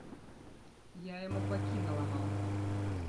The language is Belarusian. Я яму бакі наламаў.